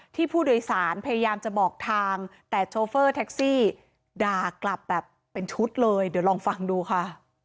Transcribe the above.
ที่ผู้โดยสารพยายามจะบอกทางแต่โชเฟอร์แท็กซี่ด่ากลับแบบเป็นชุดเลยเดี๋ยวลองฟังดูค่ะ